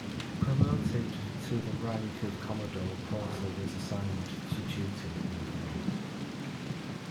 Promoted to the rank of commodore, Porter was assigned to duty at New York.